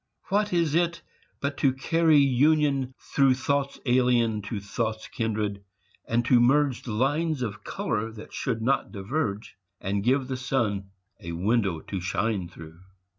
What is it but to carry union through Thoughts alien to thoughts kindred, and to merge The lines of colour that should not diverge, And give the sun a window to shine through!